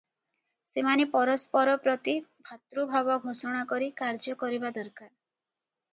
ସେମାନେ ପରସ୍ପର ପ୍ରତି ଭାତୃଭାବ ଘୋଷଣା କରି କାର୍ଯ୍ୟ କରିବା ଦରକାର ।